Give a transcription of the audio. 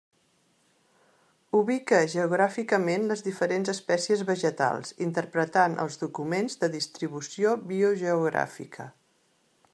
Ubica geogràficament les diferents espècies vegetals, interpretant els documents de distribució biogeogràfica.